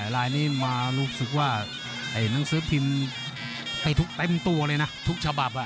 ลายนี้มารู้สึกว่าไอ้หนังสือพิมพ์ให้ทุกเต็มตัวเลยนะทุกฉบับ